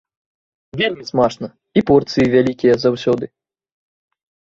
Вельмі смачна і порцыі вялікі заўсёды.